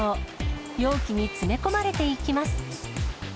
容器に詰め込まれていきます。